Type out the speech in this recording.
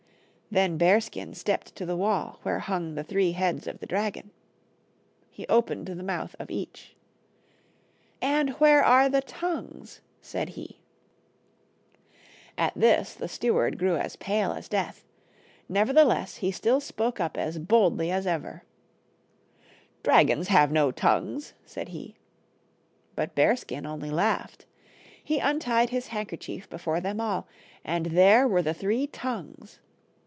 Then Bearskin stepped to the wall, where hung the three heads of the dragon. He opened the mouth of each. "And where are the tongues?" said he. At this the steward grew as pale as death, nevertheless he still spoke ud 14 BEARSKIN. as boldly as ever :" Dragons have no tongues," said he. But Bearskin only laughed ; he untied his handkerchief before them all, and there were the three tongues.